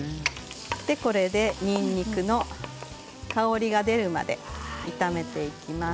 これで、にんにくの香りが出るまで炒めていきます。